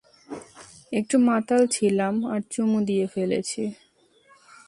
একটু মাতাল ছিলাম আর চুমু দিয়ে ফেলেছি।